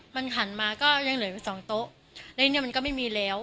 มันหันมาก็ยังเหลือสองโต๊ะในนี้มันก็ไม่มีแล้ว